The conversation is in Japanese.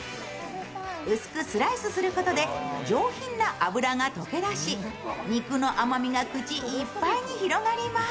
薄くスライスすることで上品な脂が溶け出し肉の甘みが口いっぱいに広がります。